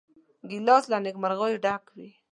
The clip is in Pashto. ګیلاس له نیکمرغیو ډک وي.